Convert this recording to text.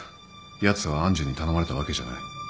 やつは愛珠に頼まれたわけじゃない。